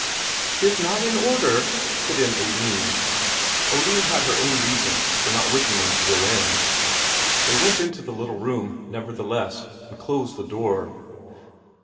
"'Tis not in order," put in Oline. Oline had her own reasons for not wishing them to go in. They went into the little room nevertheless, and closed the door.